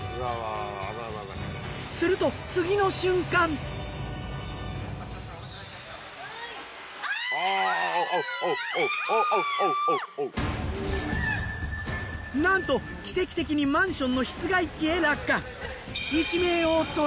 するとなんと奇跡的にマンションの室外機へ落下。